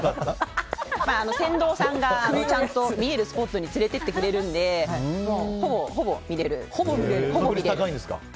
船頭さんがちゃんと見えるスポットに連れていってくれるのでほぼ見れる。